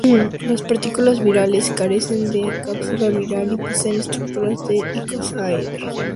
Las partículas virales carecen de cápsula viral y poseen estructura de icosaedro.